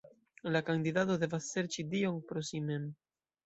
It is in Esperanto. La kandidato devas serĉi Dion pro si mem.